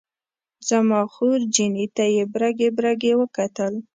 زما خورجینې ته یې برګې برګې وکتل.